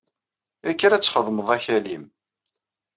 Kker ad txedmeḍ akal-im!